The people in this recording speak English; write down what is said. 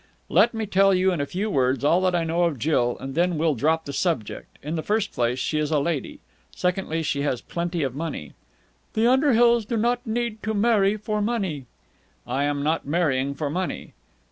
"Let me tell you in a few words all that I know of Jill, and then we'll drop the subject. In the first place, she is a lady. Secondly, she has plenty of money...." "The Underhills do not need to marry for money." "I am not marrying for money!"